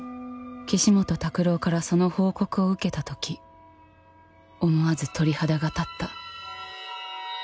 岸本拓朗からその報告を受けたとき思わず鳥肌が立った。